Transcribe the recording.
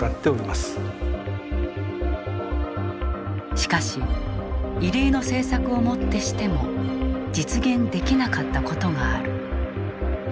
しかし異例の政策をもってしても実現できなかったことがある。